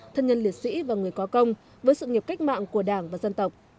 thân nhân liệt sĩ và người có công với sự nghiệp cách mạng của đảng và dân tộc